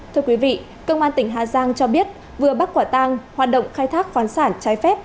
thưa quý vị công an tỉnh hà giang cho biết vừa bắt quả tang hoạt động khai thác khoáng sản trái phép